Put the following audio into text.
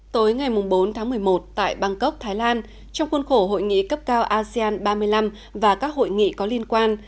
tối ngày bốn tháng một mươi một tại bangkok thái lan trong khuôn khổ hội nghị cấp cao asean ba mươi năm và các hội nghị có liên quan